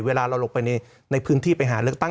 เวลาเราลงไปในพื้นที่ไปหาเลือกตั้ง